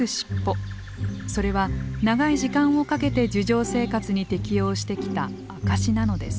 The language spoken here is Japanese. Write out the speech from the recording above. それは長い時間をかけて樹上生活に適応してきた証しなのです。